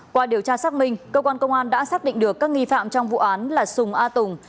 qua điều tra xác minh cơ quan công an đã xác định được các nghi phạm trong vụ án là sùng a tùng